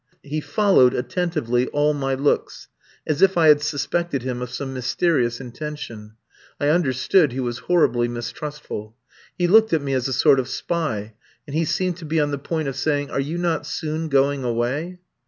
He followed attentively all my looks, as if I had suspected him of some mysterious intention. I understood he was horribly mistrustful. He looked at me as a sort of spy, and he seemed to be on the point of saying, "Are you not soon going away?"